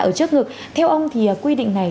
ở trước ngực theo ông thì quy định này